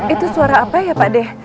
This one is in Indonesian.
itu suara apa ya pade